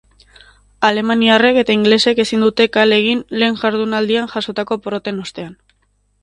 Alemaniarrek eta ingelesek ezin dute kale egin lehen jardunaldian jasotako porroten ostean.